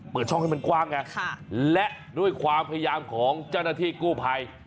เปิดช่องให้มันกว้างไงและด้วยความพยายามของเจ้าหน้าที่กู้ภัย